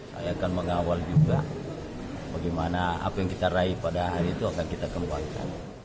saya akan mengawal juga bagaimana apa yang kita raih pada hari itu akan kita kembangkan